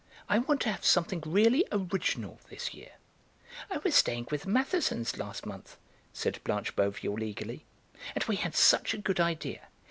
I want to have something really original this year." "I was staying with the Mathesons last month," said Blanche Boveal eagerly, "and we had such a good idea.